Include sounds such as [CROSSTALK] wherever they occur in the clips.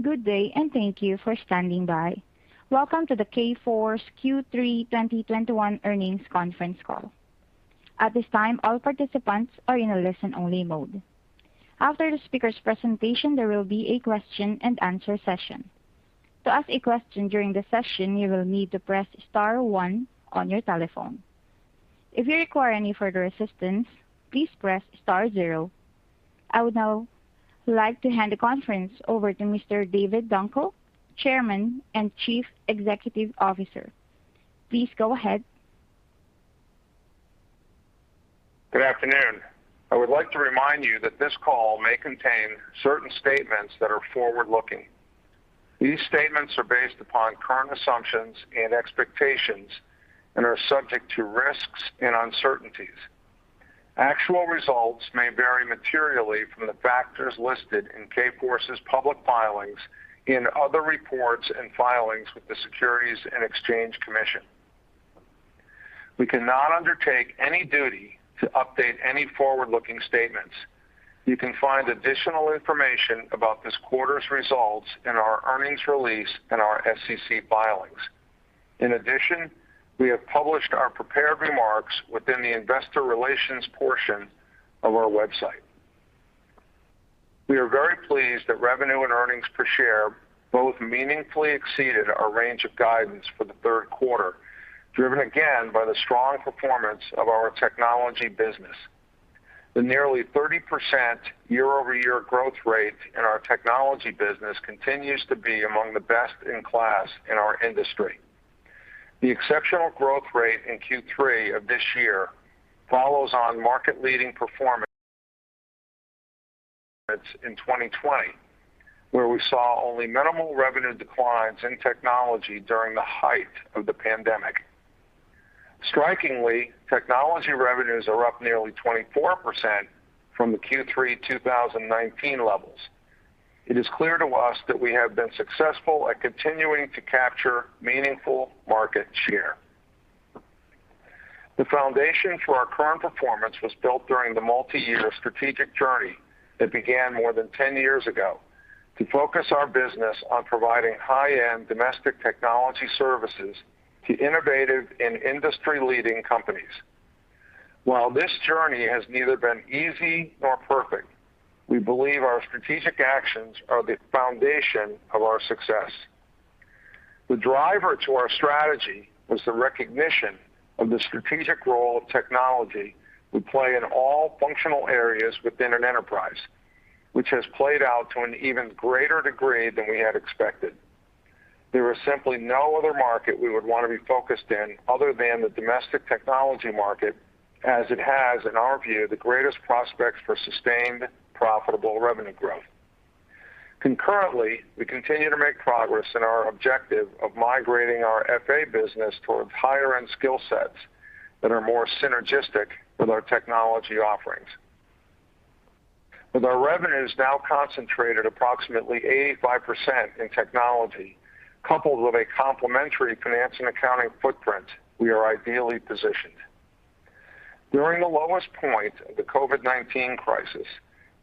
Good day, and thank you for standing by. Welcome to the Kforce Q3 2021 earnings conference call. At this time, all participants are in a listen-only mode. After the speaker's presentation, there will be a question-and-answer session. To ask a question during the session, you will need to press star one on your telephone. If you require any further assistance, please press star zero. I would now like to hand the conference over to Mr. David Dunkel, Chairman and Chief Executive Officer. Please go ahead. Good afternoon. I would like to remind you that this call may contain certain statements that are forward-looking. These statements are based upon current assumptions and expectations and are subject to risks and uncertainties. Actual results may vary materially from the factors listed in Kforce's public filings and other reports and filings with the Securities and Exchange Commission. We cannot undertake any duty to update any forward-looking statements. You can find additional information about this quarter's results in our earnings release and our SEC filings. In addition, we have published our prepared remarks within the investor relations portion of our website. We are very pleased that revenue and earnings per share both meaningfully exceeded our range of guidance for the third quarter, driven again by the strong performance of our technology business. The nearly 30% year-over-year growth rate in our technology business continues to be among the best in class in our industry. The exceptional growth rate in Q3 of this year follows on market-leading performance in 2020, where we saw only minimal revenue declines in technology during the height of the pandemic. Strikingly, technology revenues are up nearly 24% from the Q3 2019 levels. It is clear to us that we have been successful at continuing to capture meaningful market share. The foundation for our current performance was built during the multi-year strategic journey that began more than 10 years ago to focus our business on providing high-end domestic technology services to innovative and industry-leading companies. While this journey has neither been easy nor perfect, we believe our strategic actions are the foundation of our success. The driver to our strategy was the recognition of the strategic role technology would play in all functional areas within an enterprise, which has played out to an even greater degree than we had expected. There was simply no other market we would want to be focused in other than the domestic technology market as it has, in our view, the greatest prospects for sustained profitable revenue growth. Concurrently, we continue to make progress in our objective of migrating our FA business towards higher-end skill sets that are more synergistic with our technology offerings. With our revenues now concentrated approximately 85% in technology, coupled with a complementary finance and accounting footprint, we are ideally positioned. During the lowest point of the COVID-19 crisis,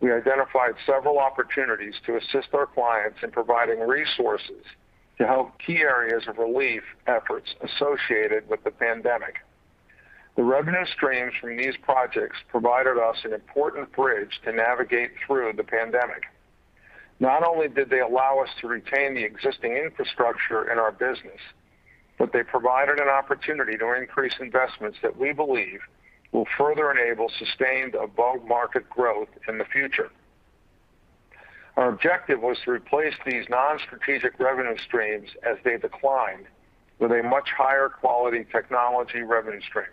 we identified several opportunities to assist our clients in providing resources to help key areas of relief efforts associated with the pandemic. The revenue streams from these projects provided us an important bridge to navigate through the pandemic. Not only did they allow us to retain the existing infrastructure in our business, but they provided an opportunity to increase investments that we believe will further enable sustained above-market growth in the future. Our objective was to replace these non-strategic revenue streams as they declined with a much higher quality technology revenue stream.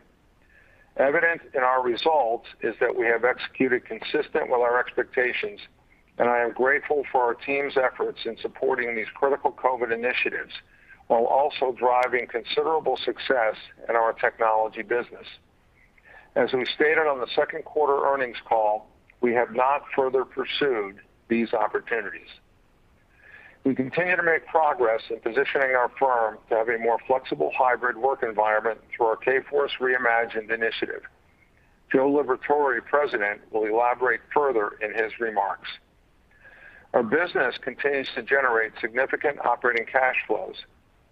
Evident in our results is that we have executed consistent with our expectations, and I am grateful for our team's efforts in supporting these critical COVID initiatives while also driving considerable success in our technology business. As we stated on the second quarter earnings call, we have not further pursued these opportunities. We continue to make progress in positioning our firm to have a more flexible hybrid work environment through our Kforce Reimagined initiative. Joe Liberatore, President, will elaborate further in his remarks. Our business continues to generate significant operating cash flows,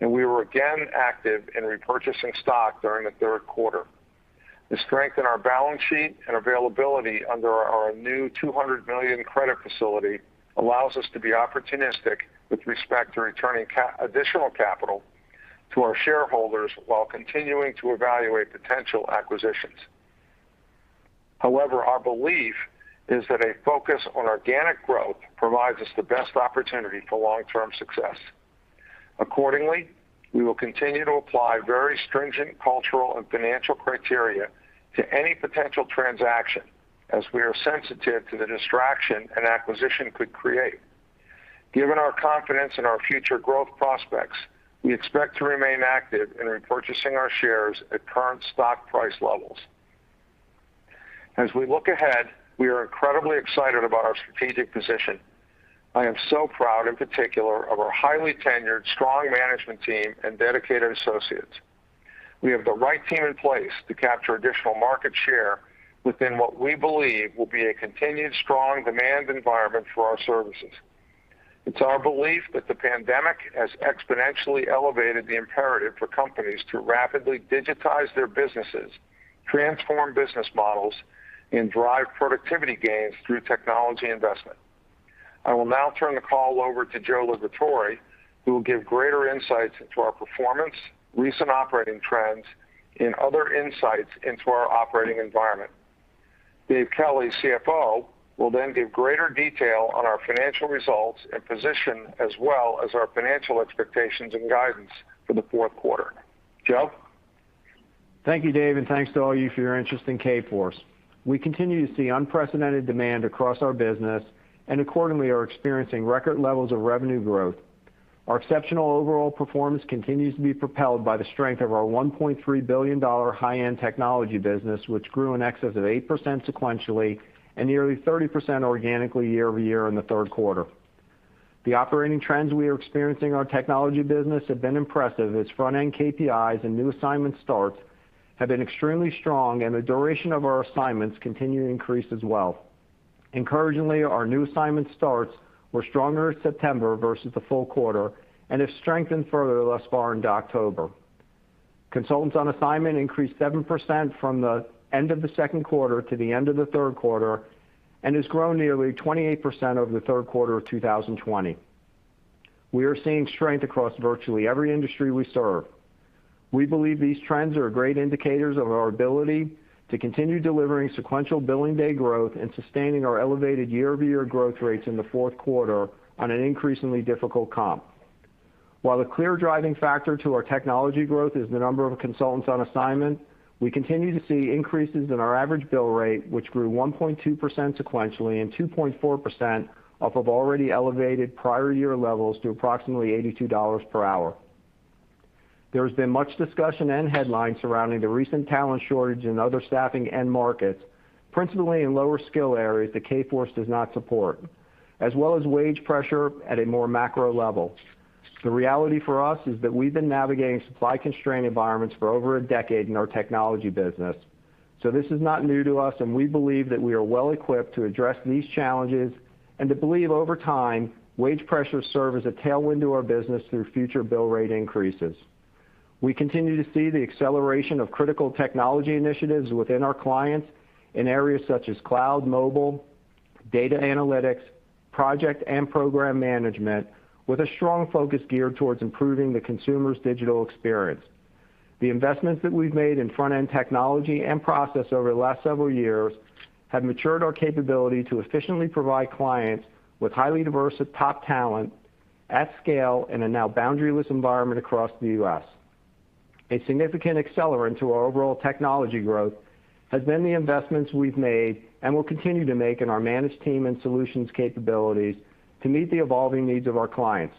and we were again active in repurchasing stock during the third quarter. The strength in our balance sheet and availability under our new $200 million credit facility allows us to be opportunistic with respect to returning additional capital to our shareholders while continuing to evaluate potential acquisitions. However, our belief is that a focus on organic growth provides us the best opportunity for long-term success. Accordingly, we will continue to apply very stringent cultural and financial criteria to any potential transaction as we are sensitive to the distraction an acquisition could create. Given our confidence in our future growth prospects, we expect to remain active in repurchasing our shares at current stock price levels. As we look ahead, we are incredibly excited about our strategic position. I am so proud, in particular, of our highly tenured, strong management team and dedicated associates. We have the right team in place to capture additional market share within what we believe will be a continued strong demand environment for our services. It's our belief that the pandemic has exponentially elevated the imperative for companies to rapidly digitize their businesses, transform business models, and drive productivity gains through technology investment. I will now turn the call over to Joe Liberatore, who will give greater insights into our performance, recent operating trends, and other insights into our operating environment. David Kelly, CFO, will then give greater detail on our financial results and position as well as our financial expectations and guidance for the fourth quarter. Joe? Thank you, Dave, and thanks to all of you for your interest in Kforce. We continue to see unprecedented demand across our business, and accordingly, are experiencing record levels of revenue growth. Our exceptional overall performance continues to be propelled by the strength of our $1.3 billion-dollar high-end technology business, which grew in excess of 8% sequentially and nearly 30% organically year-over-year in the third quarter. The operating trends we are experiencing in our technology business have been impressive as front-end KPIs and new assignment starts have been extremely strong, and the duration of our assignments continue to increase as well. Encouragingly, our new assignment starts were stronger in September versus the full quarter and have strengthened further thus far into October. Consultants on assignment increased 7% from the end of the second quarter to the end of the third quarter and has grown nearly 28% over the third quarter of 2020. We are seeing strength across virtually every industry we serve. We believe these trends are great indicators of our ability to continue delivering sequential billing day growth and sustaining our elevated year-over-year growth rates in the fourth quarter on an increasingly difficult comp. While the clear driving factor to our technology growth is the number of consultants on assignment, we continue to see increases in our average bill rate, which grew 1.2% sequentially and 2.4% off of already elevated prior year levels to approximately $82 per hour. There has been much discussion and headlines surrounding the recent talent shortage in other staffing end markets, principally in lower skill areas that Kforce does not support, as well as wage pressure at a more macro level. The reality for us is that we've been navigating supply-constrained environments for over a decade in our technology business. This is not new to us, and we believe that we are well equipped to address these challenges and we believe over time, wage pressures serve as a tailwind to our business through future bill rate increases. We continue to see the acceleration of critical technology initiatives within our clients in areas such as cloud, mobile, data analytics, project and program management, with a strong focus geared towards improving the consumer's digital experience. The investments that we've made in front-end technology and process over the last several years have matured our capability to efficiently provide clients with highly diverse top talent at scale in a now boundaryless environment across the U.S. A significant accelerant to our overall technology growth has been the investments we've made and will continue to make in our managed teams and solutions capabilities to meet the evolving needs of our clients.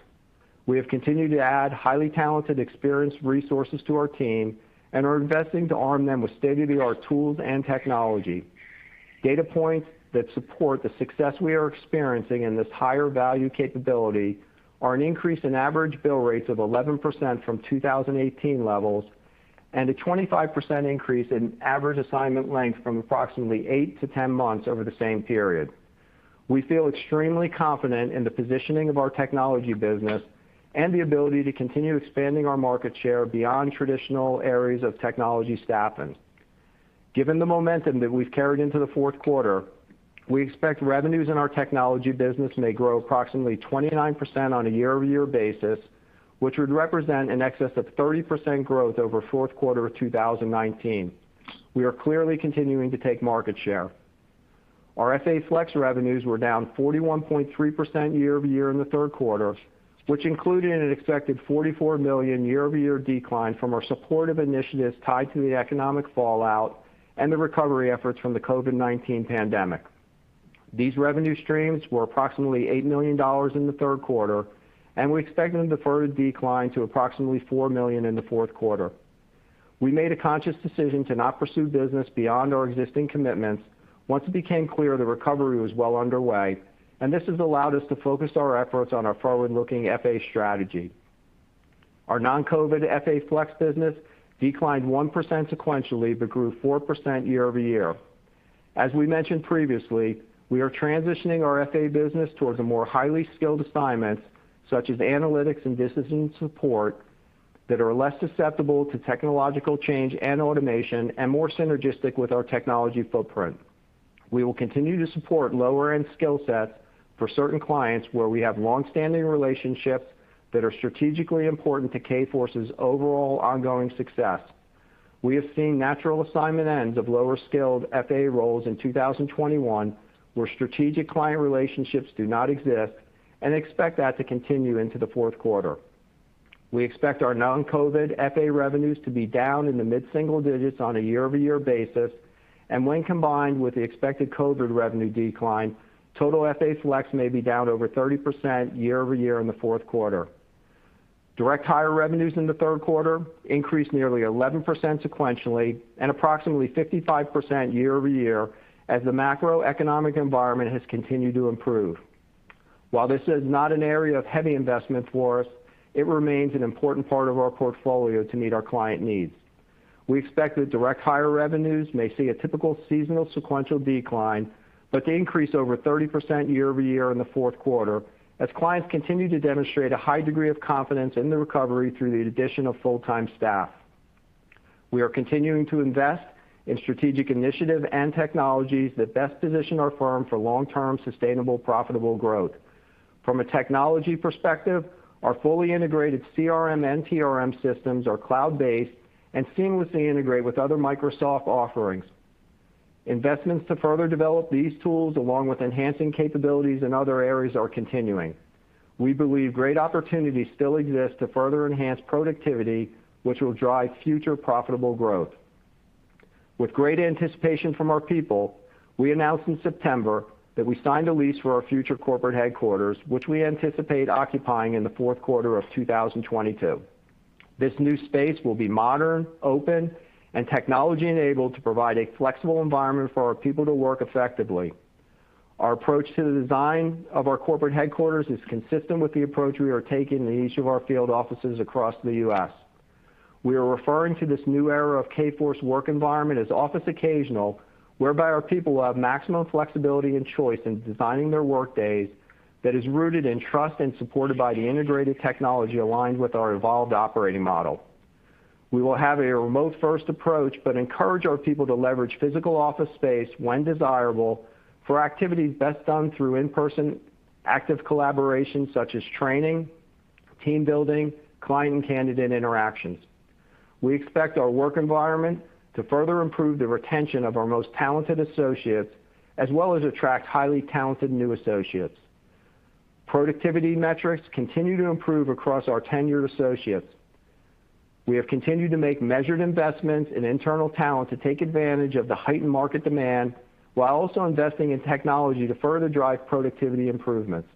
We have continued to add highly talented, experienced resources to our team and are investing to arm them with state-of-the-art tools and technology. Data points that support the success we are experiencing in this higher value capability are an increase in average bill rates of 11% from 2018 levels and a 25% increase in average assignment length from approximately 8-10 months over the same period. We feel extremely confident in the positioning of our technology business and the ability to continue expanding our market share beyond traditional areas of technology staffing. Given the momentum that we've carried into the fourth quarter, we expect revenues in our technology business may grow approximately 29% on a year-over-year basis, which would represent in excess of 30% growth over fourth quarter of 2019. We are clearly continuing to take market share. Our FA Flex revenues were down 41.3% year-over-year in the third quarter, which included an expected $44 million year-over-year decline from our supportive initiatives tied to the economic fallout and the recovery efforts from the COVID-19 pandemic. These revenue streams were approximately $8 million in the third quarter, and we expect them to further decline to approximately $4 million in the fourth quarter. We made a conscious decision to not pursue business beyond our existing commitments once it became clear the recovery was well underway, and this has allowed us to focus our efforts on our forward-looking FA strategy. Our non-COVID FA Flex business declined 1% sequentially, but grew 4% year-over-year. As we mentioned previously, we are transitioning our FA business towards a more highly skilled assignment, such as analytics and business support that are less susceptible to technological change and automation and more synergistic with our technology footprint. We will continue to support lower-end skill sets for certain clients where we have long-standing relationships that are strategically important to Kforce's overall ongoing success. We have seen natural assignment ends of lower skilled FA roles in 2021, where strategic client relationships do not exist, and expect that to continue into the fourth quarter. We expect our non-COVID FA revenues to be down in the mid-single digits on a year-over-year basis, and when combined with the expected COVID revenue decline, total FA Flex may be down over 30% year-over-year in the fourth quarter. Direct hire revenues in the third quarter increased nearly 11% sequentially and approximately 55% year-over-year as the macroeconomic environment has continued to improve. While this is not an area of heavy investment for us, it remains an important part of our portfolio to meet our client needs. We expect that direct hire revenues may see a typical seasonal sequential decline, but to increase over 30% year-over-year in the fourth quarter as clients continue to demonstrate a high degree of confidence in the recovery through the addition of full-time staff. We are continuing to invest in strategic initiative and technologies that best position our firm for long-term sustainable, profitable growth. From a technology perspective, our fully integrated CRM and TRM systems are cloud-based and seamlessly integrate with other Microsoft offerings. Investments to further develop these tools, along with enhancing capabilities in other areas, are continuing. We believe great opportunities still exist to further enhance productivity, which will drive future profitable growth. With great anticipation from our people, we announced in September that we signed a lease for our future corporate headquarters, which we anticipate occupying in the fourth quarter of 2022. This new space will be modern, open, and technology-enabled to provide a flexible environment for our people to work effectively. Our approach to the design of our corporate headquarters is consistent with the approach we are taking in each of our field offices across the U.S. We are referring to this new era of Kforce work environment as office occasional, whereby our people will have maximum flexibility and choice in designing their work days that is rooted in trust and supported by the integrated technology aligned with our evolved operating model. We will have a remote-first approach, but encourage our people to leverage physical office space when desirable for activities best done through in-person active collaboration such as training, team building, client and candidate interactions. We expect our work environment to further improve the retention of our most talented associates, as well as attract highly talented new associates. Productivity metrics continue to improve across our tenured associates. We have continued to make measured investments in internal talent to take advantage of the heightened market demand while also investing in technology to further drive productivity improvements.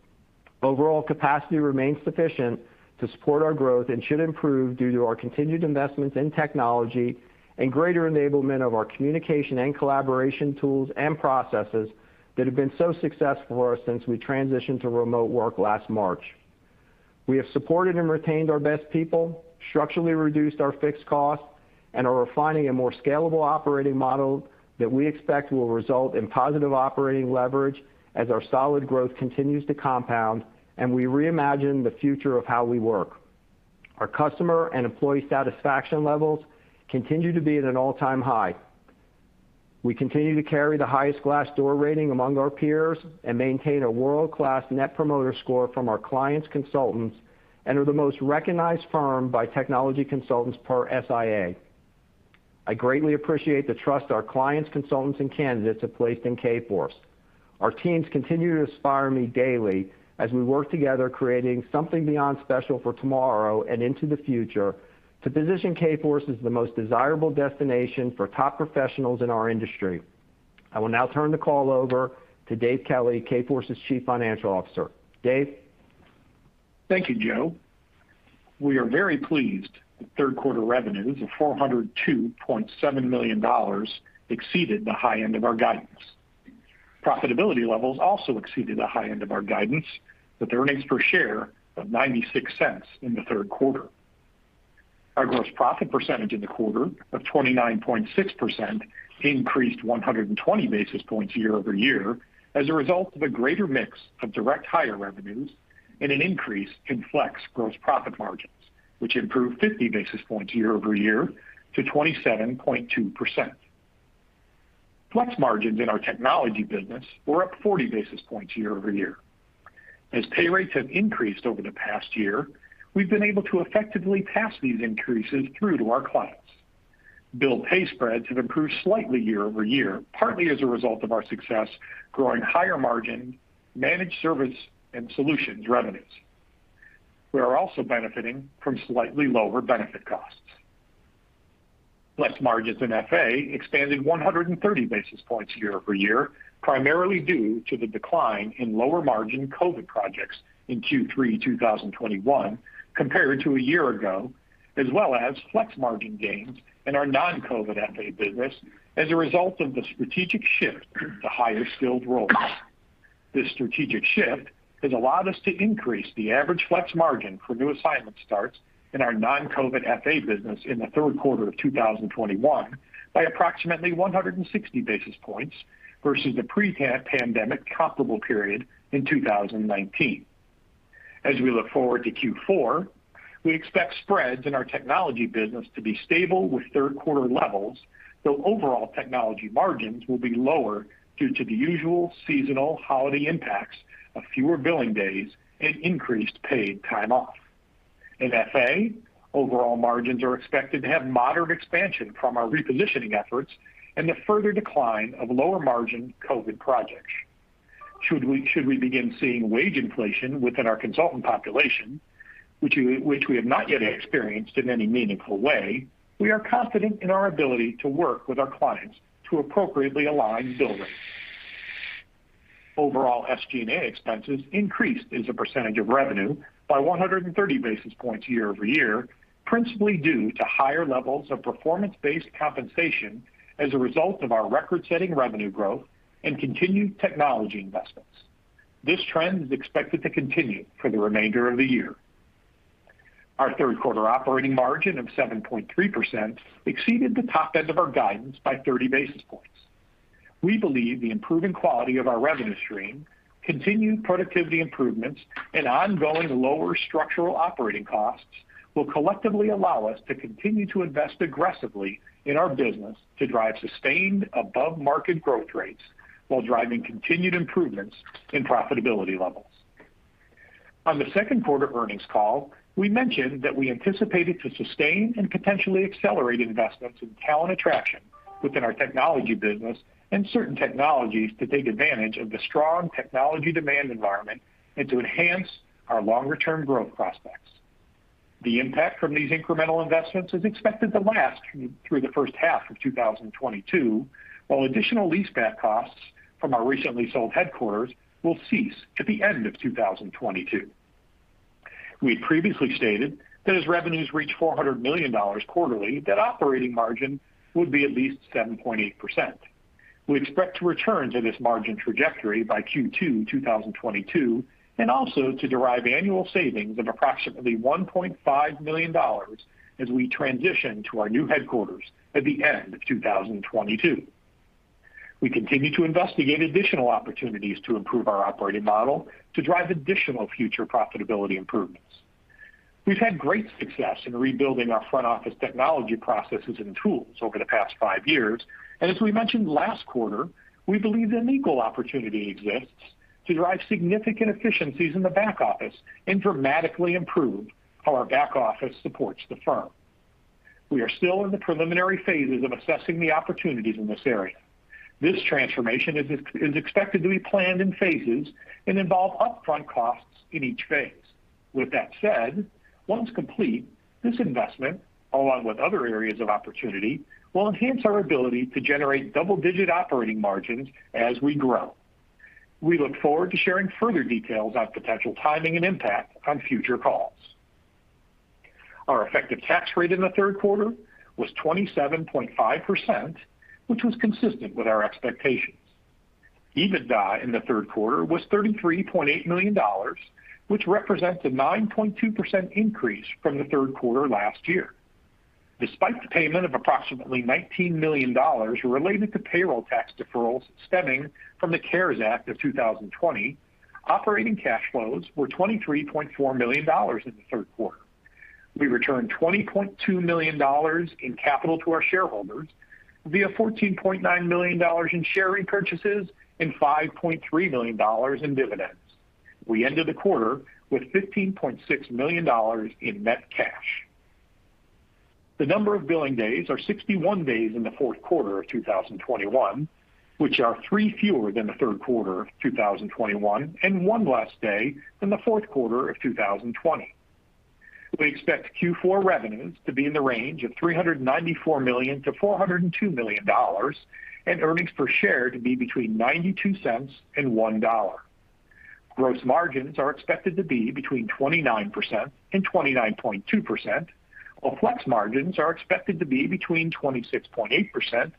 Overall capacity remains sufficient to support our growth and should improve due to our continued investments in technology and greater enablement of our communication and collaboration tools and processes that have been so successful for us since we transitioned to remote work last March. We have supported and retained our best people, structurally reduced our fixed costs, and are refining a more scalable operating model that we expect will result in positive operating leverage as our solid growth continues to compound and we reimagine the future of how we work. Our customer and employee satisfaction levels continue to be at an all-time high. We continue to carry the highest Glassdoor rating among our peers and maintain a world-class Net Promoter Score from our clients, consultants and are the most recognized firm by technology consultants per SIA. I greatly appreciate the trust our clients, consultants, and candidates have placed in Kforce. Our teams continue to inspire me daily as we work together creating something beyond special for tomorrow and into the future to position Kforce as the most desirable destination for top professionals in our industry. I will now turn the call over to Dave Kelly, Kforce's Chief Financial Officer. Dave? Thank you, Joe. We are very pleased that third quarter revenues of $402.7 million exceeded the high end of our guidance. Profitability levels also exceeded the high end of our guidance, with earnings per share of $0.96 in the third quarter. Our gross profit percentage in the quarter of 29.6% increased 120 basis points year-over-year as a result of a greater mix of direct hire revenues and an increase in flex gross profit margins, which improved 50 basis points year-over-year to 27.2%. Flex margins in our technology business were up 40 basis points year-over-year. As pay rates have increased over the past year, we've been able to effectively pass these increases through to our clients. Bill pay spreads have improved slightly year-over-year, partly as a result of our success growing higher margin managed service and solutions revenues. We are also benefiting from slightly lower benefit costs. Flex margins in FA expanded 130 basis points year-over-year, primarily due to the decline in lower margin COVID projects in Q3 2021 compared to a year ago, as well as flex margin gains in our non-COVID FA business as a result of the strategic shift to higher skilled roles. This strategic shift has allowed us to increase the average flex margin for new assignment starts in our non-COVID FA business in the third quarter of 2021 by approximately 160 basis points versus the pre-pandemic comparable period in 2019. As we look forward to Q4, we expect spreads in our technology business to be stable with third quarter levels, though overall technology margins will be lower due to the usual seasonal holiday impacts of fewer billing days and increased paid time off. In FA, overall margins are expected to have moderate expansion from our repositioning efforts and the further decline of lower margin COVID projects. Should we begin seeing wage inflation within our consultant population, which we have not yet experienced in any meaningful way, we are confident in our ability to work with our clients to appropriately align bill rates. Overall, SG&A expenses increased as a percentage of revenue by 130 basis points year-over-year, principally due to higher levels of performance-based compensation as a result of our record-setting revenue growth and continued technology investments. This trend is expected to continue for the remainder of the year. Our third quarter operating margin of 7.3% exceeded the top end of our guidance by 30 basis points. We believe the improving quality of our revenue stream, continued productivity improvements, and ongoing lower structural operating costs will collectively allow us to continue to invest aggressively in our business to drive sustained above-market growth rates while driving continued improvements in profitability levels. On the second quarter earnings call, we mentioned that we anticipated to sustain and potentially accelerate investments in talent attraction within our technology business and certain technologies to take advantage of the strong technology demand environment and to enhance our longer-term growth prospects. The impact from these incremental investments is expected to last through the first half of 2022, while additional leaseback costs from our recently sold headquarters will cease at the end of 2022. We previously stated that as revenues reach $400 million quarterly, that operating margin would be at least 7.8%. We expect to return to this margin trajectory by Q2 2022, and also to derive annual savings of approximately $1.5 million as we transition to our new headquarters at the end of 2022. We continue to investigate additional opportunities to improve our operating model to drive additional future profitability improvements. We've had great success in rebuilding our front office technology processes and tools over the past five years. As we mentioned last quarter, we believe an equal opportunity exists to drive significant efficiencies in the back-office and dramatically improve how our back-office supports the firm. We are still in the preliminary phases of assessing the opportunities in this area. This transformation is expected to be planned in phases and involve upfront costs in each phase. With that said, once complete, this investment, along with other areas of opportunity, will enhance our ability to generate double-digit operating margins as we grow. We look forward to sharing further details on potential timing and impact on future calls. Our effective tax rate in the third quarter was 27.5%, which was consistent with our expectations. EBITDA in the third quarter was $33.8 million, which represents a 9.2% increase from the third quarter last year. Despite the payment of approximately $19 million related to payroll tax deferrals stemming from the CARES Act of 2020, operating cash flows were $23.4 million in the third quarter. We returned $20.2 million in capital to our shareholders via $14.9 million in share repurchases and $5.3 million in dividends. We ended the quarter with $15.6 million in net cash. The number of billing days are 61 days in the fourth quarter of 2021, which are 3 fewer than the third quarter of 2021, and 1 less day than the fourth quarter of 2020. We expect Q4 revenues to be in the range of $394 million-$402 million, and earnings per share to be between $0.92 and $1. Gross margins are expected to be between 29%-29.2%, while flex margins are expected to be between 26.8%-27%.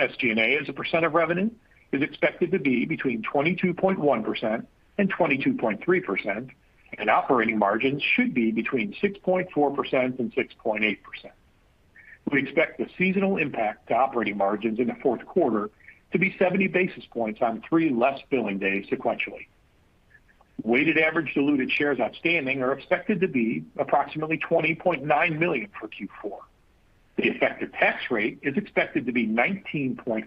SG&A, as a percent of revenue, is expected to be between 22.1%-22.3%, and operating margins should be between 6.4%-6.8%. We expect the seasonal impact to operating margins in the fourth quarter to be 70 basis points on 3 less billing days sequentially. Weighted average diluted shares outstanding are expected to be approximately 20.9 million for Q4. The effective tax rate is expected to be 19.5%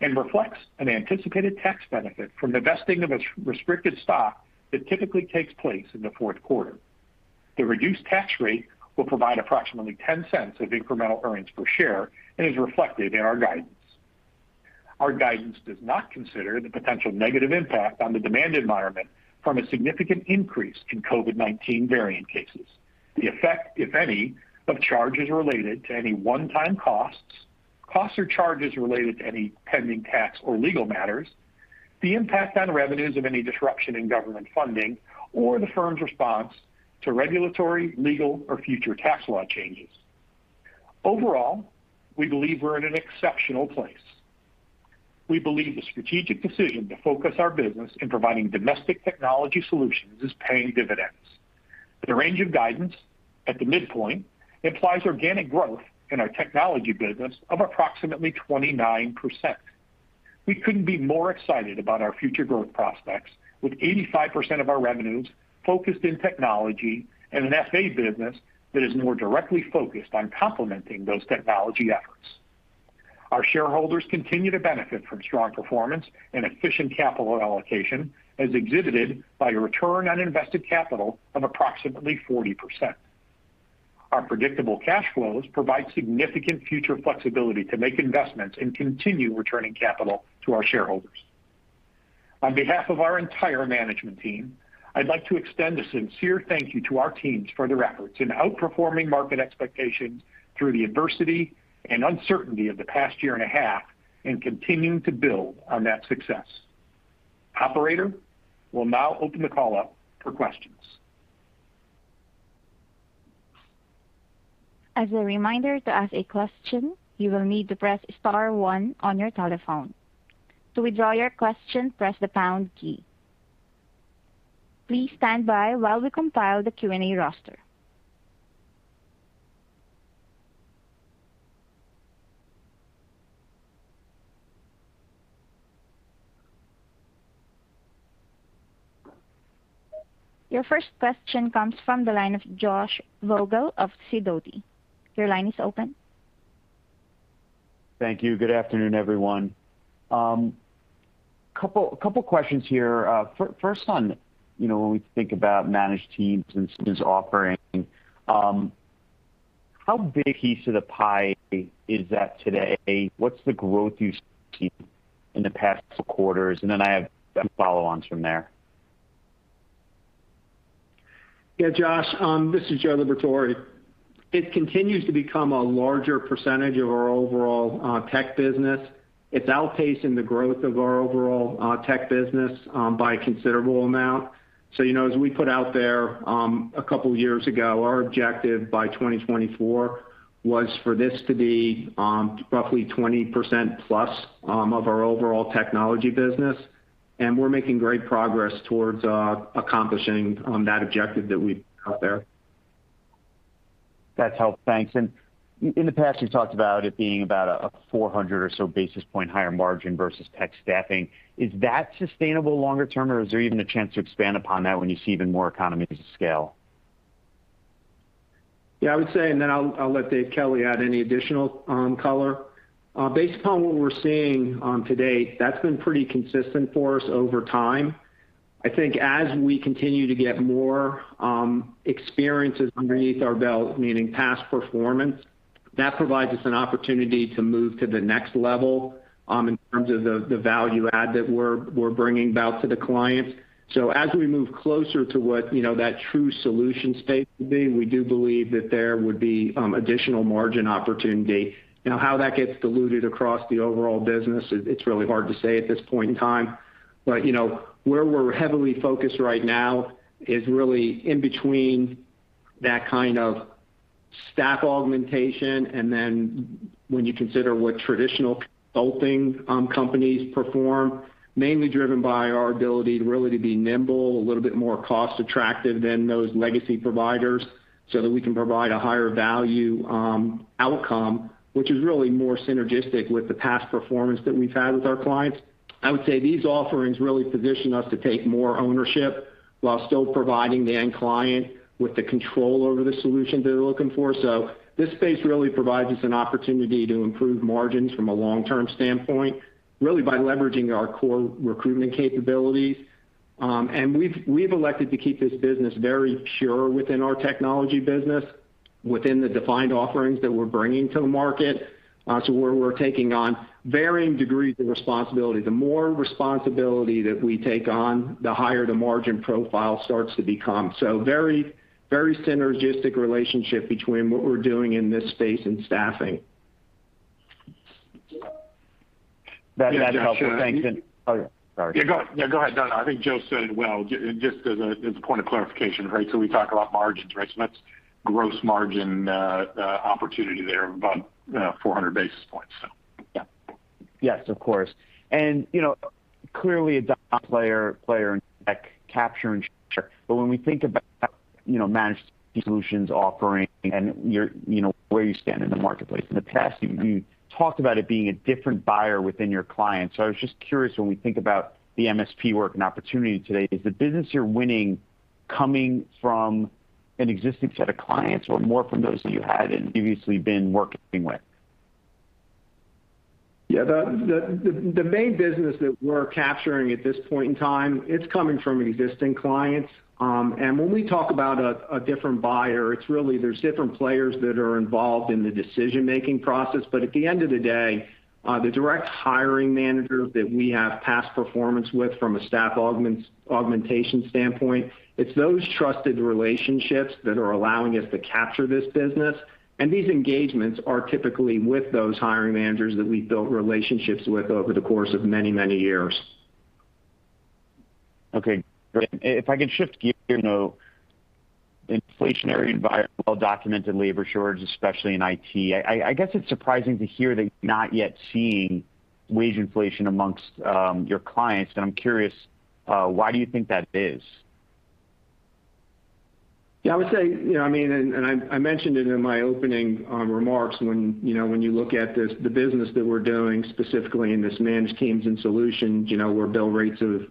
and reflects an anticipated tax benefit from the vesting of a restricted stock that typically takes place in the fourth quarter. The reduced tax rate will provide approximately $0.10 of incremental earnings per share and is reflected in our guidance. Our guidance does not consider the potential negative impact on the demand environment from a significant increase in COVID-19 variant cases, the effect, if any, of charges related to any one-time costs or charges related to any pending tax or legal matters, the impact on revenues of any disruption in government funding or the firm's response to regulatory, legal or future tax law changes. Overall, we believe we're in an exceptional place. We believe the strategic decision to focus our business in providing domestic technology solutions is paying dividends. The range of guidance at the midpoint implies organic growth in our technology business of approximately 29%. We couldn't be more excited about our future growth prospects with 85% of our revenues focused in technology and an FA business that is more directly focused on complementing those technology efforts. Our shareholders continue to benefit from strong performance and efficient capital allocation, as exhibited by a return on invested capital of approximately 40%. Our predictable cash flows provide significant future flexibility to make investments and continue returning capital to our shareholders. On behalf of our entire management team, I'd like to extend a sincere thank you to our teams for their efforts in outperforming market expectations through the adversity and uncertainty of the past year and a half and continuing to build on that success. Operator, we'll now open the call up for questions. As a reminder, to ask a question, you will need to press star one on your telephone. To withdraw your question, press the pound key. Please stand by while we compile the Q&A roster. Your first question comes from the line of Josh Vogel of Sidoti. Your line is open. Thank you. Good afternoon, everyone. Couple of questions here. First on, you know, when we think about managed teams and solutions offering, how big a piece of the pie is that today? What's the growth you've seen in the past quarters? I have some follow-ons from there. Yeah, Josh, this is Joe Liberatore. It continues to become a larger percentage of our overall tech business. It's outpacing the growth of our overall tech business by a considerable amount. You know, as we put out there a couple of years ago, our objective by 2024 was for this to be roughly 20%+ of our overall technology business, and we're making great progress towards accomplishing that objective that we've got there. That's helpful. Thanks. In the past, you talked about it being about a 400 or so basis point higher margin versus tech staffing. Is that sustainable longer term, or is there even a chance to expand upon that when you see even more economies of scale? Yeah, I would say, and then I'll let Dave Kelly add any additional color. Based upon what we're seeing to date, that's been pretty consistent for us over time. I think as we continue to get more experiences underneath our belt, meaning past performance, that provides us an opportunity to move to the next level in terms of the value add that we're bringing about to the clients. So as we move closer to what, you know, that true solution state would be, we do believe that there would be additional margin opportunity. You know, how that gets diluted across the overall business, it's really hard to say at this point in time. You know, where we're heavily focused right now is really in between that kind of staff augmentation, and then when you consider what traditional consulting companies perform, mainly driven by our ability really to be nimble, a little bit more cost attractive than those legacy providers so that we can provide a higher value outcome, which is really more synergistic with the past performance that we've had with our clients. I would say these offerings really position us to take more ownership while still providing the end client with the control over the solution they're looking for. This space really provides us an opportunity to improve margins from a long-term standpoint, really by leveraging our core recruitment capabilities. We've elected to keep this business very pure within our technology business, within the defined offerings that we're bringing to the market. We're taking on varying degrees of responsibility. The more responsibility that we take on, the higher the margin profile starts to become. Very synergistic relationship between what we're doing in this space and staffing. That helps. Thanks. [CROSSTALK] Yeah, go ahead. No I think Joe said it well. Just as a point of clarification, right? We talk about margins, right? That's gross margin opportunity there of about 400 basis points. Yeah. Yes, of course. You know, clearly a player in tech, cap and structure. When we think about, you know, managed solutions offering and your, you know, where you stand in the marketplace. In the past, you talked about it being a different buyer within your clients. I was just curious, when we think about the MSP work and opportunity today, is the business you're winning coming from an existing set of clients or more from those that you hadn't previously been working with? Yeah. The main business that we're capturing at this point in time, it's coming from existing clients. When we talk about a different buyer, it's really, there's different players that are involved in the decision-making process. But at the end of the day, the direct hiring manager that we have past performance with from a staff augmentation standpoint, it's those trusted relationships that are allowing us to capture this business, and these engagements are typically with those hiring managers that we've built relationships with over the course of many, many years. Okay. If I could shift gears, you know, inflationary environment, well-documented labor shortage, especially in IT. I guess it's surprising to hear that you're not yet seeing wage inflation among your clients. I'm curious why do you think that is? Yeah. I would say, you know, I mean, and I mentioned it in my opening remarks when, you know, when you look at this, the business that we're doing specifically in this managed teams and solutions, you know, where bill rates have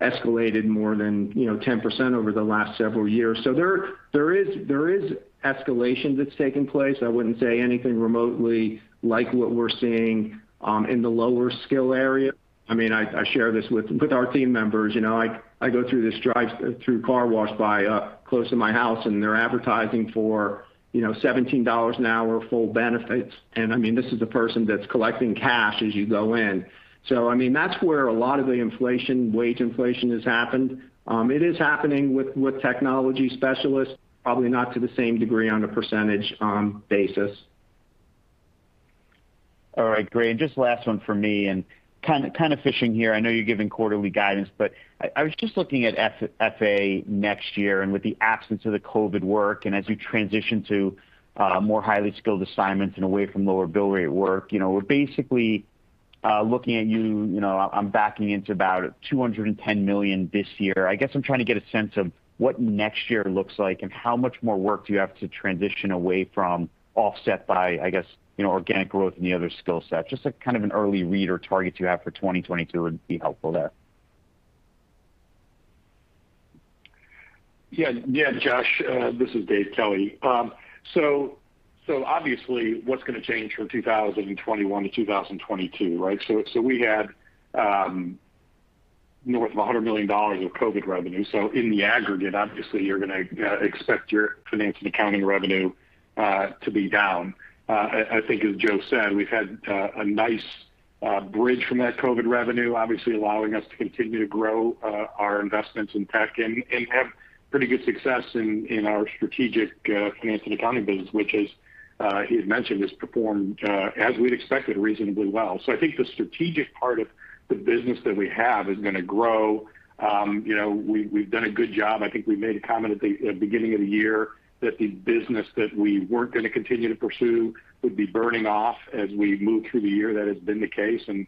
escalated more than, you know, 10% over the last several years. There is escalation that's taking place. I wouldn't say anything remotely like what we're seeing in the lower skill area. I mean, I share this with our team members. You know, I go through this drive-thru car wash by close to my house, and they're advertising for, you know, $17 an hour, full benefits. I mean, this is a person that's collecting cash as you go in. I mean, that's where a lot of the inflation, wage inflation has happened. It is happening with technology specialists, probably not to the same degree on a percentage basis. All right, great. Just last one for me, and kind of fishing here. I know you're giving quarterly guidance, but I was just looking at F&A next year and with the absence of the COVID work, and as you transition to more highly skilled assignments and away from lower bill rate work, you know, we're basically looking at you know, I'm backing into about $210 million this year. I guess I'm trying to get a sense of what next year looks like and how much more work do you have to transition away from offset by, I guess, you know, organic growth in the other skill sets. Just a kind of an early read or target you have for 2022 would be helpful there. Yeah, Josh, this is Dave Kelly. Obviously, what's gonna change from 2021-2022, right? We had north of $100 million of COVID revenue. In the aggregate, obviously, you're gonna expect your finance and accounting revenue to be down. I think as Joe said, we've had a nice bridge from that COVID revenue, obviously allowing us to continue to grow our investments in tech and have pretty good success in our strategic finance and accounting business, which as he had mentioned, has performed as we'd expected, reasonably well. I think the strategic part of the business that we have is gonna grow. You know, we've done a good job. I think we made a comment at the beginning of the year that the business that we weren't gonna continue to pursue would be burning off as we move through the year. That has been the case, and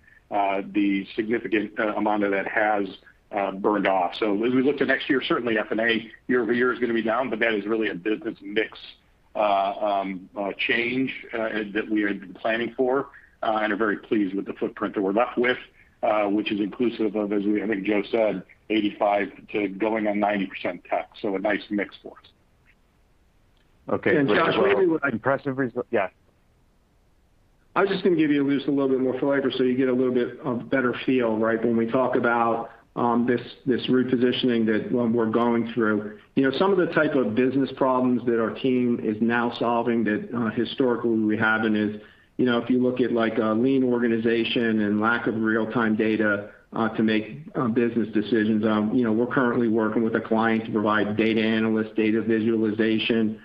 the significant amount of that has burned off. As we look to next year, certainly F&A year-over-year is gonna be down, but that is really a business mix change that we had been planning for, and are very pleased with the footprint that we're left with, which is inclusive of, I think Joe said, 85% to going on 90% tech. A nice mix for us. Okay. [CROSSTALK] I was just gonna give you just a little bit more flavor so you get a little bit better feel, right, when we talk about this repositioning that we're going through. You know, some of the type of business problems that our team is now solving that historically we're having is, you know, if you look at like a lean organization and lack of real-time data to make business decisions on. You know, we're currently working with a client to provide data analyst, data visualization,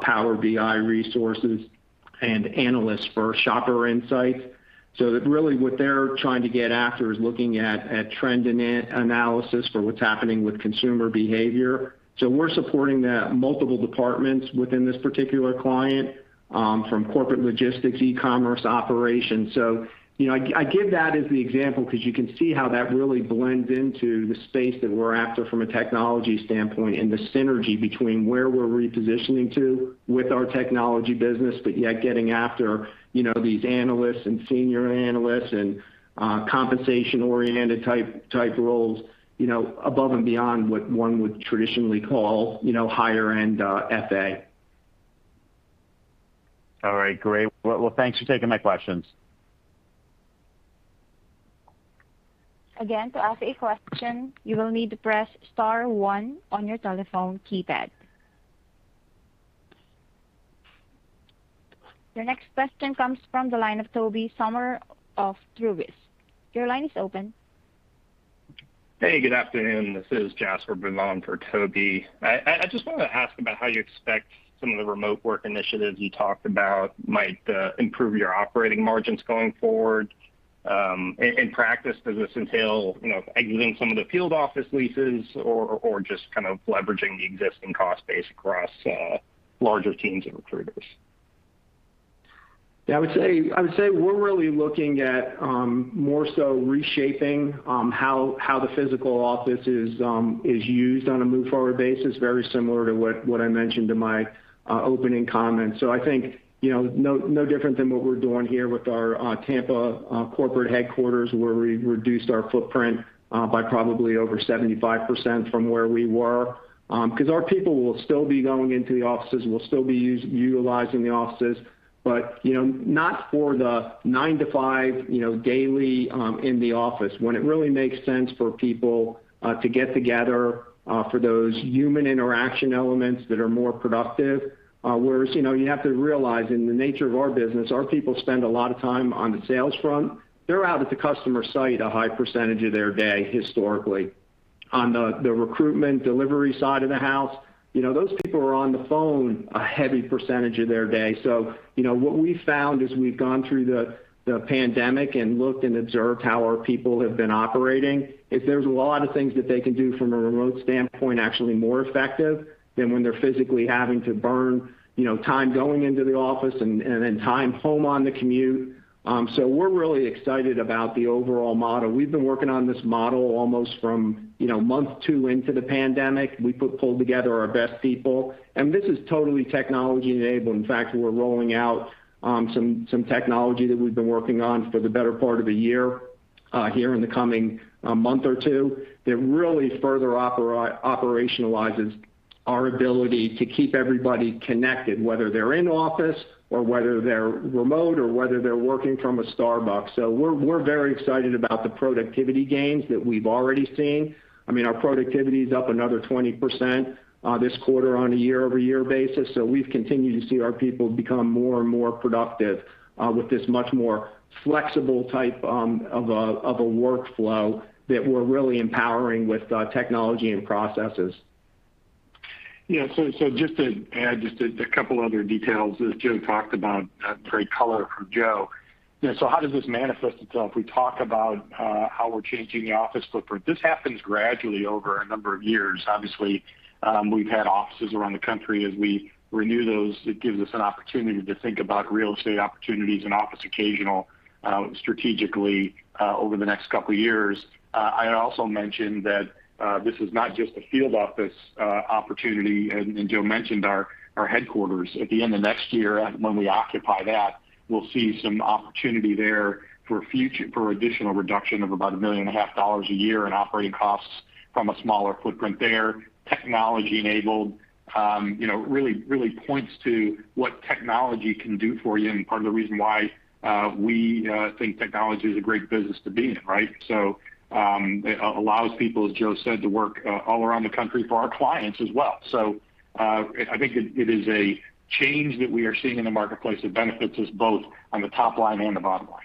Power BI resources, and analysts for shopper insights. So really what they're trying to get after is looking at trend analysis for what's happening with consumer behavior. So we're supporting the multiple departments within this particular client from corporate logistics, e-commerce operations. You know, I give that as the example 'cause you can see how that really blends into the space that we're after from a technology standpoint and the synergy between where we're repositioning to with our technology business, but yet getting after, you know, these analysts and senior analysts and compensation-oriented type roles, you know, above and beyond what one would traditionally call, you know, higher-end FA. All right, great. Well, thanks for taking my questions. Again, to ask a question, you will need to press star one on your telephone keypad. Your next question comes from the line of Tobey Sommer of Truist. Your line is open. Hey, good afternoon. This is Jasper Bibb on for Toby. I just wanted to ask about how you expect some of the remote work initiatives you talked about might improve your operating margins going forward. In practice, does this entail, you know, exiting some of the field office leases or just kind of leveraging the existing cost base across larger teams of recruiters? Yeah, I would say we're really looking at more so reshaping how the physical office is used on a move forward basis, very similar to what I mentioned in my opening comments. I think, you know, no different than what we're doing here with our Tampa corporate headquarters, where we reduced our footprint by probably over 75% from where we were. 'Cause our people will still be going into the offices, and we'll still be utilizing the offices, but, you know, not for the nine-to-five, you know, daily in the office. When it really makes sense for people to get together for those human interaction elements that are more productive, whereas, you know, you have to realize in the nature of our business, our people spend a lot of time on the sales front. They're out at the customer site a high percentage of their day historically. On the recruitment delivery side of the house, you know, those people are on the phone a heavy percentage of their day. You know, what we found as we've gone through the pandemic and looked and observed how our people have been operating is there's a lot of things that they can do from a remote standpoint actually more effective than when they're physically having to burn, you know, time going into the office and then time home on the commute. We're really excited about the overall model. We've been working on this model almost from, you know, month two into the pandemic. We pulled together our best people, and this is totally technology-enabled. In fact, we're rolling out some technology that we've been working on for the better part of a year here in the coming month or two, that really further operationalizes our ability to keep everybody connected, whether they're in office or whether they're remote or whether they're working from a Starbucks. We're very excited about the productivity gains that we've already seen. I mean, our productivity is up another 20% this quarter on a year-over-year basis. We've continued to see our people become more and more productive with this much more flexible type of a workflow that we're really empowering with technology and processes. Yeah. Just to add a couple other details, as Joe talked about, great color from Joe. Yeah, how does this manifest itself? We talk about how we're changing the office footprint. This happens gradually over a number of years. Obviously, we've had offices around the country. As we renew those, it gives us an opportunity to think about real estate opportunities and office occasional strategically over the next couple years. I also mentioned that this is not just a field office opportunity, and Joe mentioned our headquarters. At the end of next year when we occupy that, we'll see some opportunity there for additional reduction of about $1.5 million a year in operating costs from a smaller footprint there, technology enabled, you know, really, really points to what technology can do for you and part of the reason why we think technology is a great business to be in, right. I think it is a change that we are seeing in the marketplace that benefits us both on the top line and the bottom line.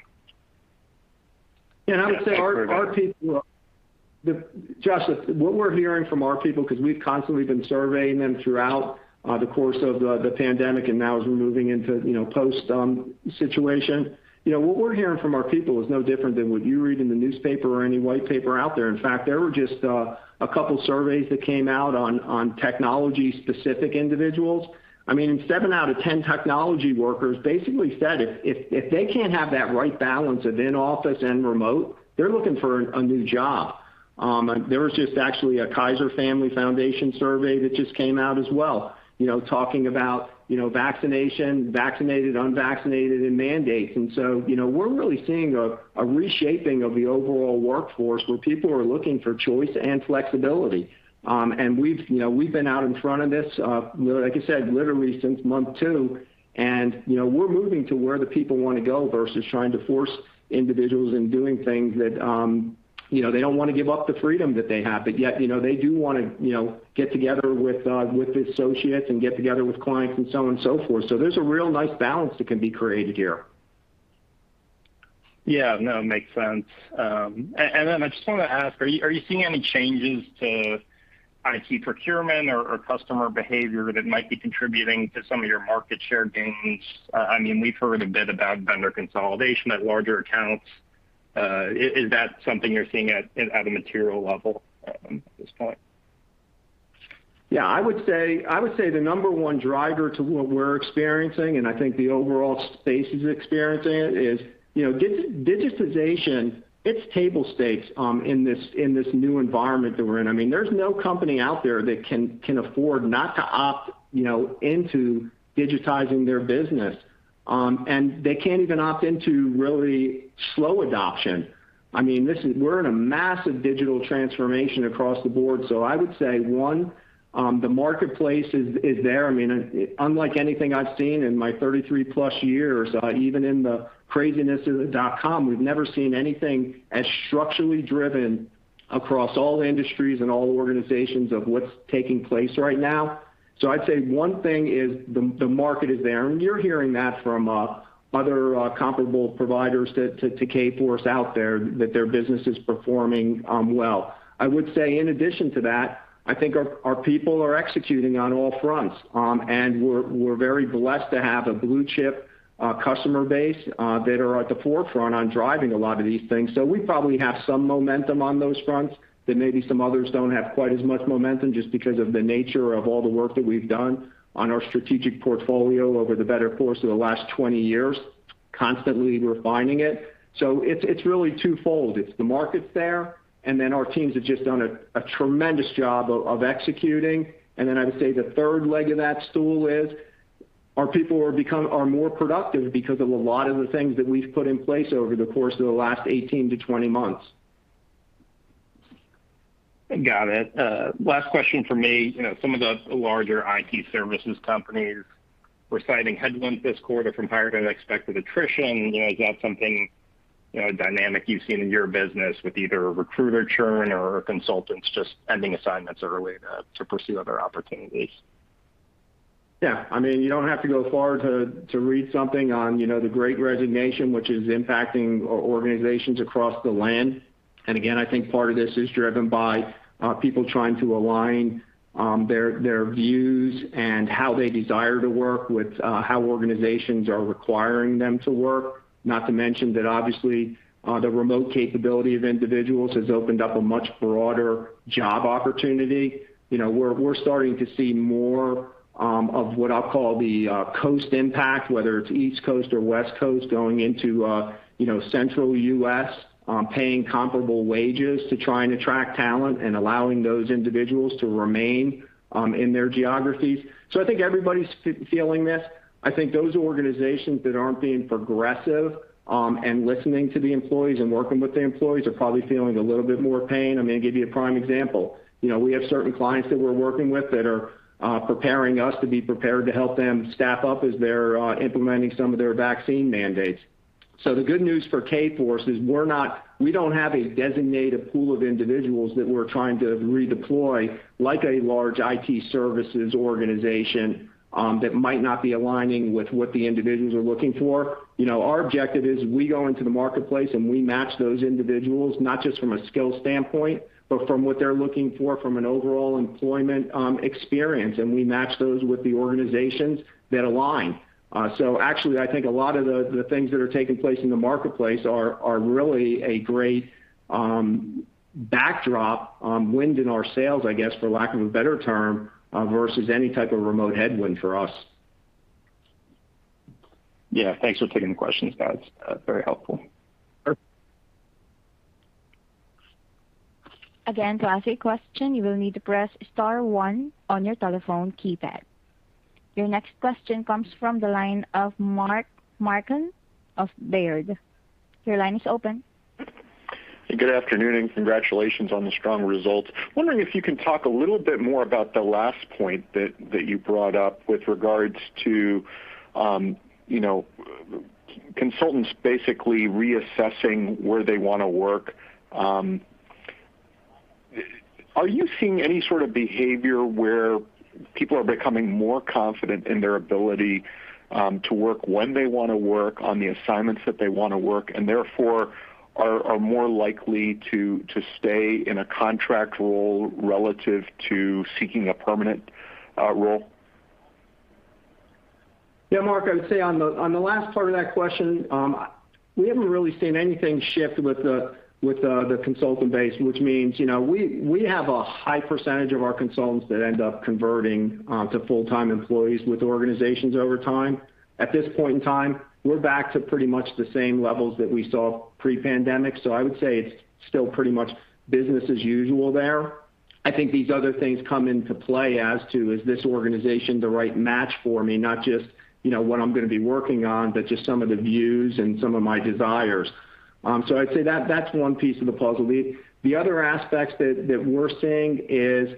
I would say our people. Justin, what we're hearing from our people, 'cause we've constantly been surveying them throughout the course of the pandemic and now as we're moving into, you know, post situation. You know, what we're hearing from our people is no different than what you read in the newspaper or any white paper out there. In fact, there were just a couple surveys that came out on technology-specific individuals. I mean, seven out of ten technology workers basically said if they can't have that right balance of in-office and remote, they're looking for a new job. There was just actually a Kaiser Family Foundation survey that just came out as well, you know, talking about, you know, vaccination, vaccinated, unvaccinated, and mandates. You know, we're really seeing a reshaping of the overall workforce where people are looking for choice and flexibility. We've you know, we've been out in front of this, like I said, literally since month two, and, you know, we're moving to where the people wanna go versus trying to force individuals in doing things that, you know, they don't wanna give up the freedom that they have, but yet, you know, they do wanna, you know, get together with with associates and get together with clients and so on and so forth. There's a real nice balance that can be created here. Yeah. No, makes sense. I just wanna ask, are you seeing any changes to IT procurement or customer behavior that might be contributing to some of your market share gains? I mean, we've heard a bit about vendor consolidation at larger accounts. Is that something you're seeing at a material level, at this point? Yeah, I would say the number one driver to what we're experiencing, and I think the overall space is experiencing it, is, you know, digitization, it's table stakes in this new environment that we're in. I mean, there's no company out there that can afford not to opt, you know, into digitizing their business. They can't even opt into really slow adoption. I mean, this is. We're in a massive digital transformation across the board. I would say, one, the marketplace is there. I mean, unlike anything I've seen in my 33+ years, even in the craziness of the dot-com, we've never seen anything as structurally driven across all industries and all organizations of what's taking place right now. I'd say one thing is the market is there, and you're hearing that from other comparable providers to Kforce out there, that their business is performing well. I would say in addition to that, I think our people are executing on all fronts. We're very blessed to have a blue-chip customer base that are at the forefront on driving a lot of these things. We probably have some momentum on those fronts that maybe some others don't have quite as much momentum, just because of the nature of all the work that we've done on our strategic portfolio over the better part of the last 20 years, constantly refining it. It's really twofold. It's the market's there, and then our teams have just done a tremendous job of executing. I would say the third leg of that stool is our people are more productive because of a lot of the things that we've put in place over the course of the last 18-20 months. Got it. Last question from me. You know, some of the larger IT services companies were citing headwinds this quarter from higher than expected attrition. You know, is that something, you know, dynamic you've seen in your business with either recruiter churn or consultants just ending assignments early to pursue other opportunities? Yeah. I mean, you don't have to go far to read something on, you know, the Great Resignation, which is impacting organizations across the land. I think part of this is driven by people trying to align their views and how they desire to work with how organizations are requiring them to work. Not to mention that obviously the remote capability of individuals has opened up a much broader job opportunity. You know, we're starting to see more of what I'll call the coast impact, whether it's East Coast or West Coast, going into, you know, Central U.S., paying comparable wages to try and attract talent and allowing those individuals to remain in their geographies. I think everybody's feeling this. I think those organizations that aren't being progressive and listening to the employees and working with the employees are probably feeling a little bit more pain. I mean, to give you a prime example, you know, we have certain clients that we're working with that are preparing to help them staff up as they're implementing some of their vaccine mandates. The good news for Kforce is we're not. We don't have a designated pool of individuals that we're trying to redeploy like a large IT services organization that might not be aligning with what the individuals are looking for. You know, our objective is we go into the marketplace, and we match those individuals, not just from a skill standpoint, but from what they're looking for from an overall employment experience, and we match those with the organizations that align. Actually, I think a lot of the things that are taking place in the marketplace are really a great backdrop, wind in our sails, I guess, for lack of a better term, versus any type of remote headwind for us. Yeah. Thanks for taking the questions, guys. That's very helpful. Sure. Again, to ask a question, you will need to press star one on your telephone keypad. Your next question comes from the line of Mark Marcon of Baird. Your line is open. Good afternoon, and congratulations on the strong results. Wondering if you can talk a little bit more about the last point that you brought up with regards to, you know, consultants basically reassessing where they wanna work. Are you seeing any sort of behavior where people are becoming more confident in their ability to work when they wanna work on the assignments that they wanna work, and therefore are more likely to stay in a contract role relative to seeking a permanent role? Yeah, Mark. I would say on the last part of that question, we haven't really seen anything shift with the consultant base, which means, you know, we have a high percentage of our consultants that end up converting to full-time employees with organizations over time. At this point in time, we're back to pretty much the same levels that we saw pre-pandemic. I would say it's still pretty much business as usual there. I think these other things come into play as to, is this organization the right match for me, not just, you know, what I'm gonna be working on, but just some of the views and some of my desires. I'd say that's one piece of the puzzle. The other aspects that we're seeing is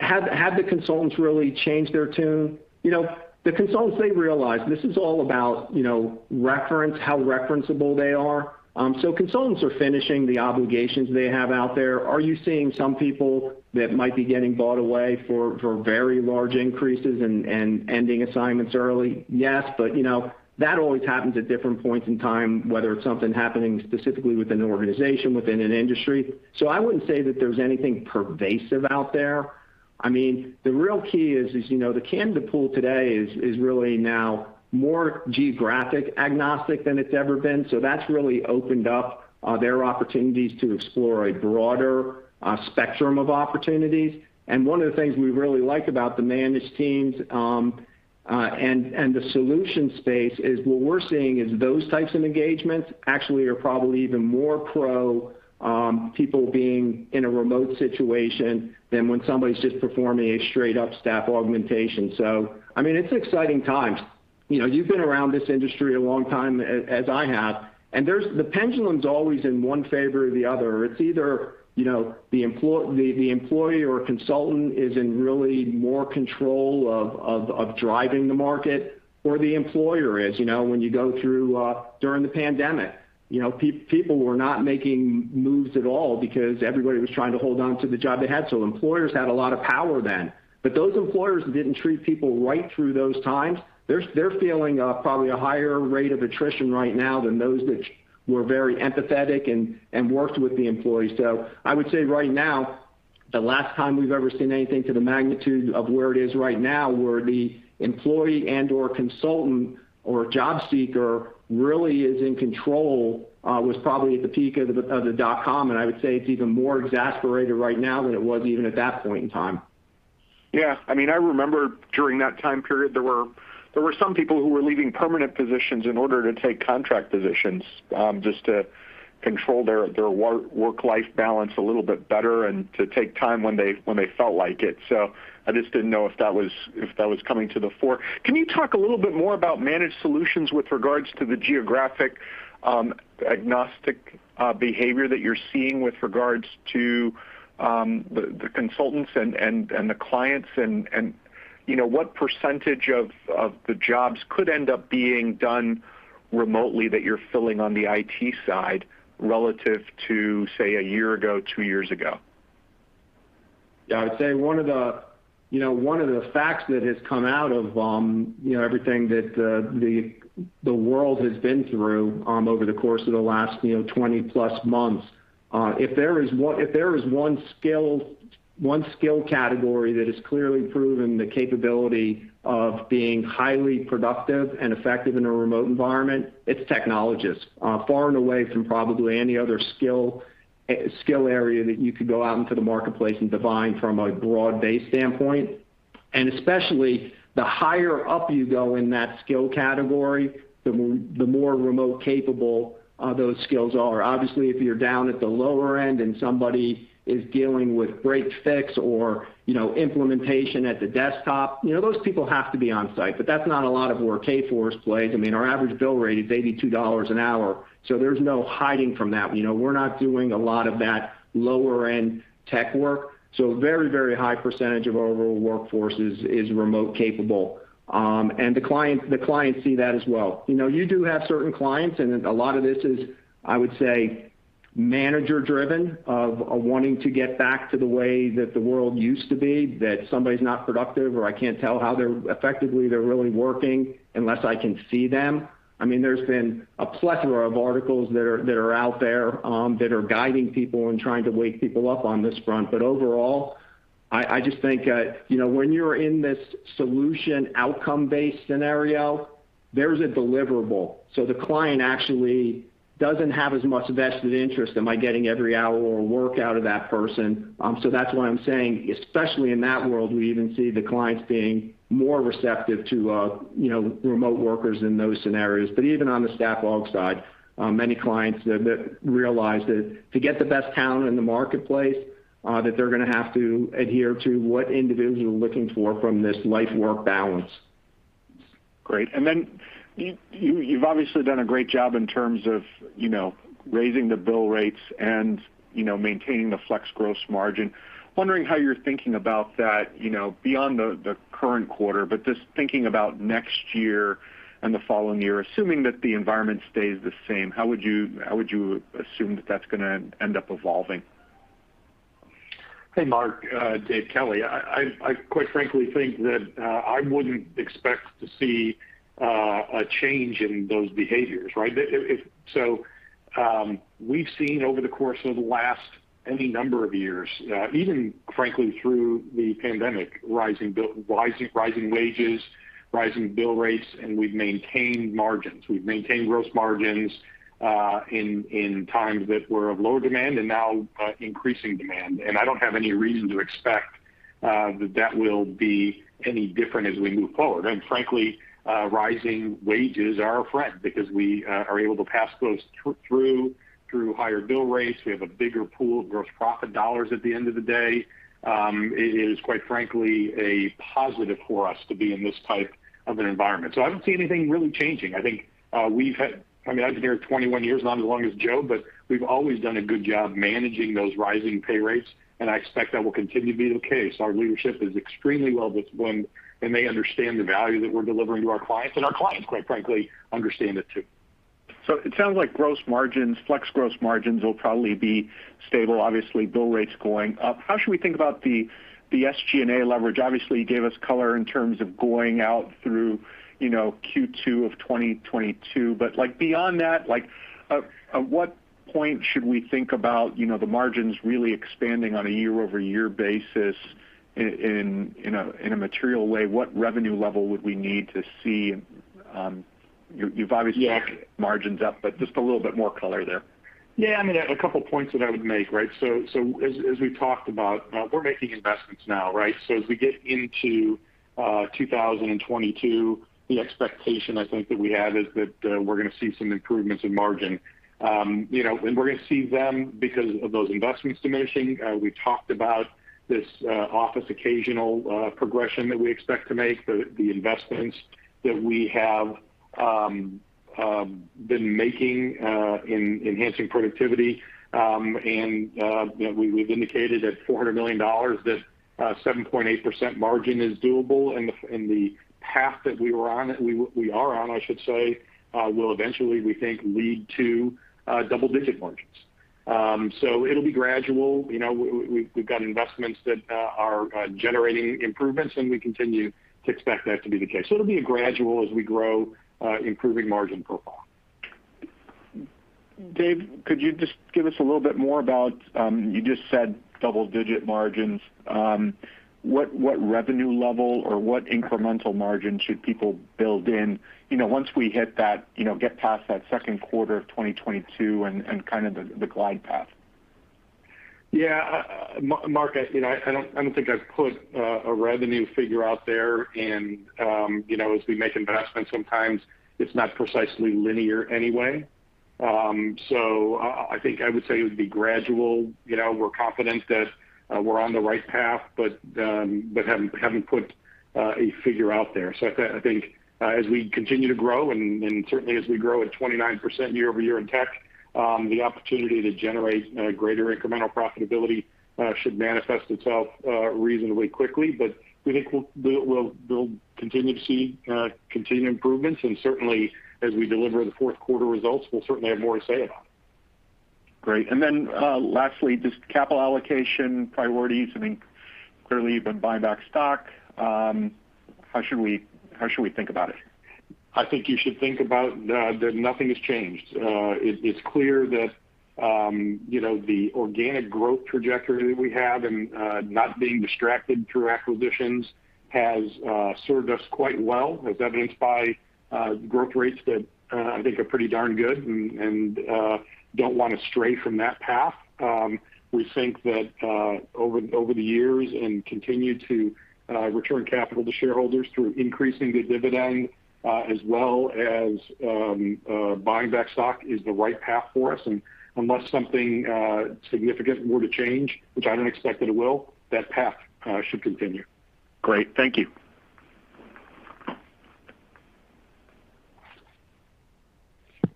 have the consultants really changed their tune? You know, the consultants, they realize this is all about, you know, reference, how referenceable they are. Consultants are finishing the obligations they have out there. Are you seeing some people that might be getting bought away for very large increases and ending assignments early? Yes. You know, that always happens at different points in time, whether it's something happening specifically with an organization within an industry. I wouldn't say that there's anything pervasive out there. I mean, the real key is, you know, the candidate pool today is really now more geographic agnostic than it's ever been. That's really opened up their opportunities to explore a broader spectrum of opportunities. One of the things we really like about the managed teams and the solution space is what we're seeing is those types of engagements actually are probably even more for people being in a remote situation than when somebody's just performing a straight up staff augmentation. I mean, it's exciting times. You know, you've been around this industry a long time as I have, and there's the pendulum's always in one favor or the other. It's either, you know, the employee or consultant is in really more control of driving the market or the employer is. You know, when you go through, during the pandemic, you know, people were not making moves at all because everybody was trying to hold on to the job they had. Employers had a lot of power then. Those employers who didn't treat people right through those times, they're feeling probably a higher rate of attrition right now than those that were very empathetic and worked with the employees. I would say right now, the last time we've ever seen anything to the magnitude of where it is right now, where the employee and or consultant or job seeker really is in control, was probably at the peak of the dot-com. I would say it's even more exaggerated right now than it was even at that point in time. Yeah. I mean, I remember during that time period, there were some people who were leaving permanent positions in order to take contract positions, just to control their work-life balance a little bit better and to take time when they felt like it. I just didn't know if that was coming to the fore. Can you talk a little bit more about managed solutions with regards to the geographic agnostic behavior that you're seeing with regards to the consultants and the clients and, you know, what percentage of the jobs could end up being done remotely that you're filling on the IT side relative to, say, a year ago, two years ago? Yeah. I would say one of the facts that has come out of you know everything that the world has been through over the course of the last you know 20+ months if there is one skill category that has clearly proven the capability of being highly productive and effective in a remote environment, it's technologists far and away from probably any other skill area that you could go out into the marketplace and divine from a broad-based standpoint. Especially the higher up you go in that skill category, the more remote capable those skills are. Obviously, if you're down at the lower end and somebody is dealing with break fix or, you know, implementation at the desktop, you know, those people have to be on site, but that's not a lot of where Kforce plays. I mean, our average bill rate is $82 an hour, so there's no hiding from that. You know, we're not doing a lot of that lower end tech work. Very, very high percentage of our overall workforce is remote capable. The client, the clients see that as well. You know, you do have certain clients, and a lot of this is, I would say manager driven of wanting to get back to the way that the world used to be, that somebody's not productive or I can't tell how effectively they're really working unless I can see them. I mean, there's been a plethora of articles that are out there that are guiding people and trying to wake people up on this front. Overall, I just think, you know, when you're in this solution outcome-based scenario, there's a deliverable. The client actually doesn't have as much vested interest. Am I getting every hour of work out of that person? That's why I'm saying, especially in that world, we even see the clients being more receptive to, you know, remote workers in those scenarios. Even on the staff aug side, many clients that realize that to get the best talent in the marketplace that they're gonna have to adhere to what individuals are looking for from this work-life balance. Great. You, you've obviously done a great job in terms of, you know, raising the bill rates and, you know, maintaining the flex gross margin. Wondering how you're thinking about that, you know, beyond the current quarter, but just thinking about next year and the following year, assuming that the environment stays the same, how would you assume that that's gonna end up evolving? Hey, Mark. Dave Kelly. I quite frankly think that I wouldn't expect to see a change in those behaviors, right? We've seen over the course of the last any number of years, even frankly, through the pandemic, rising wages, rising bill rates, and we've maintained margins. We've maintained gross margins in times that were of lower demand and now increasing demand. I don't have any reason to expect that that will be any different as we move forward. Frankly, rising wages are a friend because we are able to pass those through higher bill rates. We have a bigger pool of gross profit dollars at the end of the day. It is quite frankly a positive for us to be in this type of an environment. I don't see anything really changing. I've been here 21 years, not as long as Joe, but we've always done a good job managing those rising pay rates, and I expect that will continue to be the case. Our leadership is extremely well disciplined, and they understand the value that we're delivering to our clients, and our clients, quite frankly, understand it too. It sounds like gross margins, flex gross margins will probably be stable. Obviously, bill rates going up. How should we think about the SG&A leverage? Obviously, you gave us color in terms of going out through Q2 of 2022. Like beyond that, like, at what point should we think about the margins really expanding on a year-over-year basis in a material way? What revenue level would we need to see? You've obviously talked margins up, but just a little bit more color there. Yeah, I mean, a couple of points that I would make, right? As we've talked about, we're making investments now, right? As we get into 2022, the expectation I think that we have is that we're gonna see some improvements in margin. You know, we're gonna see them because of those investments diminishing. We talked about this Office Occasional progression that we expect to make, the investments that we have been making in enhancing productivity. You know, we've indicated that $400 million, that 7.8% margin is doable. The path that we are on, I should say, will eventually, we think, lead to double-digit margins. It'll be gradual. You know, we've got investments that are generating improvements, and we continue to expect that to be the case. It'll be a gradual as we grow, improving margin profile. Dave, could you just give us a little bit more about, you just said double-digit margins. What revenue level or what incremental margin should people build in? You know, once we hit that, you know, get past that second quarter of 2022 and kind of the glide path. Yeah. Mark, you know, I don't think I'd put a revenue figure out there. You know, as we make investments, sometimes it's not precisely linear anyway. I think I would say it would be gradual. You know, we're confident that we're on the right path, but haven't put a figure out there. I think as we continue to grow and certainly as we grow at 29% year-over-year in tech, the opportunity to generate greater incremental profitability should manifest itself reasonably quickly. We think we'll continue to see continued improvements. Certainly as we deliver the fourth quarter results, we'll certainly have more to say about it. Great. Then, lastly, just capital allocation priorities. I think clearly you've been buying back stock. How should we think about it? I think you should think about that nothing has changed. It's clear that, you know, the organic growth trajectory that we have and not being distracted through acquisitions has served us quite well, as evidenced by growth rates that I think are pretty darn good and don't want to stray from that path. We think that over the years and continue to return capital to shareholders through increasing the dividend, as well as buying back stock is the right path for us. Unless something significant were to change, which I don't expect that it will, that path should continue. Great. Thank you.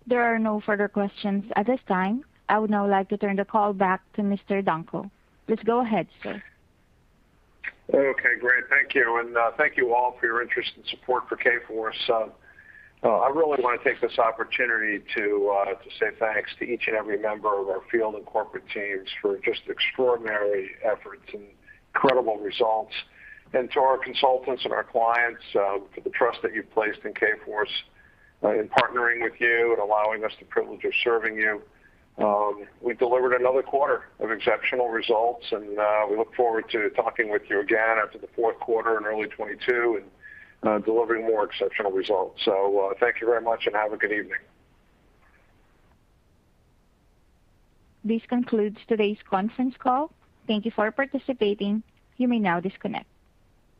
There are no further questions at this time. I would now like to turn the call back to Mr. Dunkel. Please go ahead, sir. Okay, great. Thank you. Thank you all for your interest and support for Kforce. I really want to take this opportunity to say thanks to each and every member of our field and corporate teams for just extraordinary efforts and incredible results. To our consultants and our clients for the trust that you've placed in Kforce in partnering with you and allowing us the privilege of serving you. We delivered another quarter of exceptional results, and we look forward to talking with you again after the fourth quarter in early 2022 and delivering more exceptional results. Thank you very much and have a good evening. This concludes today's conference call. Thank you for participating. You may now disconnect.